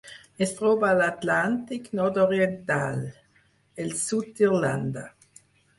Es troba a l'Atlàntic nord-oriental: el sud d'Irlanda.